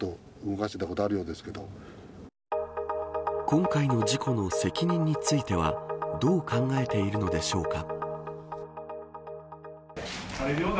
今回の事故の責任についてはどう考えているのでしょうか。